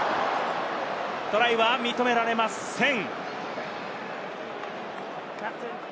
トライは認められません。